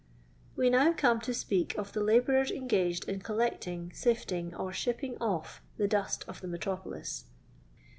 We now come to speak of the labourers engaged in collecting, sifU^g^ or shipping off the dust of the metrop^if.